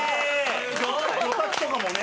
魚拓とかもね。